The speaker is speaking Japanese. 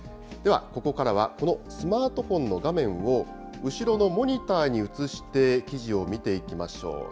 では、ここからは、このスマートフォンの画面を、後ろのモニターに映して記事を見ていきましょう。